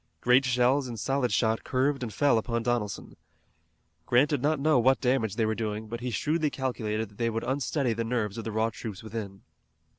Great shells and solid shot curved and fell upon Donelson. Grant did not know what damage they were doing, but he shrewdly calculated that they would unsteady the nerves of the raw troops within.